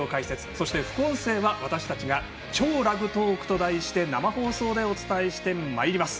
そして、副音声は私たちが「超ラグトーク」と題して生放送でお伝えしてまいります。